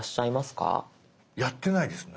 やってないですね。